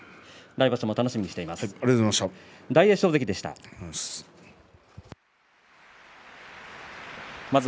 来場所も楽しみにしています。